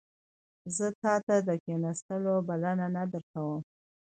زه تا ته د کښیناستلو بلنه نه درکوم